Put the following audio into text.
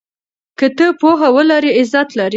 که ته پوهه ولرې عزت لرې.